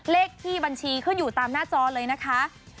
เลขที่บัญชีขึ้นอยู่ตามหน้าจอเลยนะคะ